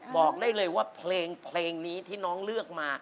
บอกได้เลยว่าเพลงนี้ที่น้องเลือกมา